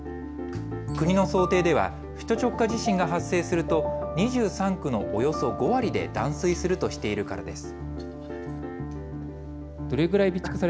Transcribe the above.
国の想定では首都直下地震が発生すると２３区のおよそ５割で断水するとしているからです。